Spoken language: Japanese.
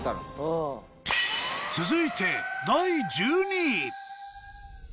続いて第１２位。